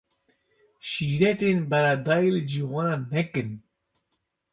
Şîretên beredayî li ciwanan nekin.